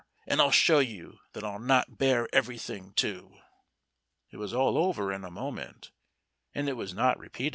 And I'll show you that I'll not bear everything, too." It was all over in a moment, and it was not repeated.